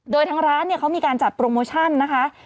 โดยทางร้านเนี่ยเขามีการจัดโปรโมชั่นนะคะ